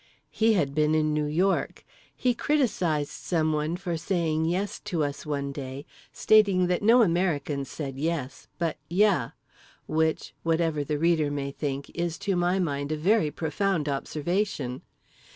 He had been in New York. He criticised someone for saying "Yes" to us, one day, stating that no American said "Yes" but "Yuh"; which—whatever the reader may think—is to my mind a very profound observation.